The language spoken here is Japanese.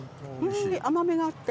甘みがあって。